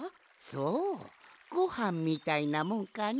そうごはんみたいなもんかの。